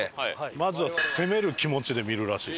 まずは攻める気持ちで見るらしい。